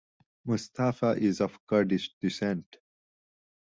Mustafa is of Kurdish descent.